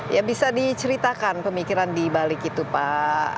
ya bisa diceritakan pemikiran di balik itu pak